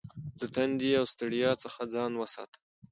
د تندې او ستړیا څخه ځان وساته.